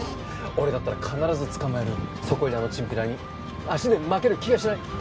俺だったら必ず捕まえるんでそこいらのチンピラに足で負ける気がしない